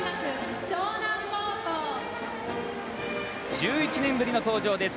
１１年ぶりの登場です。